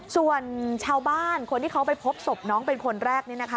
ส่วนชาวบ้านคนที่เขาไปพบศพน้องเป็นคนแรกนี่นะคะ